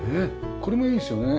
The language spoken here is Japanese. これもいいですよね。